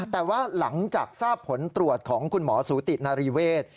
แต่ว่าหลังจากทราบผลตรวจของคุณหมอสูตินารีเวศ